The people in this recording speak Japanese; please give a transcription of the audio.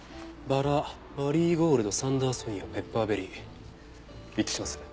バラマリーゴールドサンダーソニアペッパーベリー一致します。